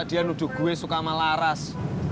dia nuduh gue suka sama laras